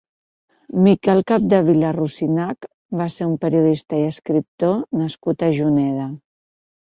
Miquel Capdevila Rosinach va ser un periodista i escriptor nascut a Juneda.